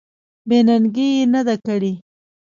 بې ننګي یې نه ده کړې.